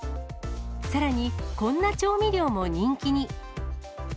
さらに、こんな調味料も人気に。